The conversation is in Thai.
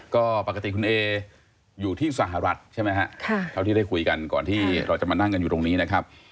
ก็ปกติคุณเออยู่ที่สหรัฐใช่ไหมฮะเท่าที่ได้คุยกันก่อนที่เราจะมานั่งกันอยู่ตรงนี้นะครับ